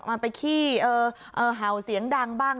มันไปขี้เห่าเสียงดังบ้าง